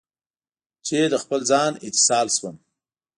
چې له خپل ځان، اتصال شوم